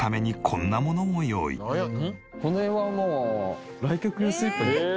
この辺はもう来客用スリッパ。